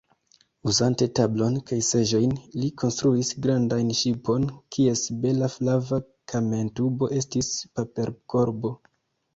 Uzante tablon kaj seĝojn, li konstruis grandan ŝipon, kies bela flava kamentubo estis paperkorbo.